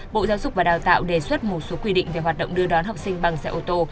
bộ giáo dục và đào tạo đề xuất một số quy định về hoạt động đưa đón học sinh bằng xe ô tô